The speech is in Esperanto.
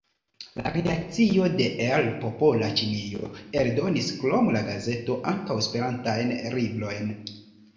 La redakcio de "El Popola Ĉinio" eldonis, krom la gazeto, ankaŭ esperantajn librojn.